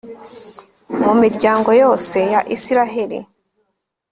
mu miryango yose ya israheli